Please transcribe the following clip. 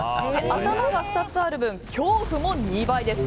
頭が２つある分恐怖も２倍です。